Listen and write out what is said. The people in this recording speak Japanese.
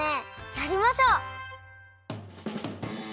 やりましょう！